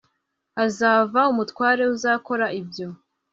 hazava umutware uzakora ibyo